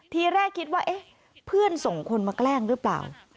ทีแรกคิดว่าเอ๊ะเพื่อนส่งคนมาแกล้งหรือเปล่า